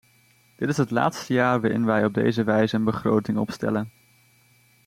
Dit is het laatste jaar waarin wij op deze wijze een begroting opstellen.